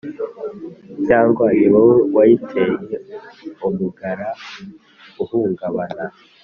Cyangwa ni wowe wayiteye umug ra uhungabana